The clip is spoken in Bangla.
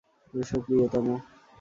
এসো, প্রিয়তম।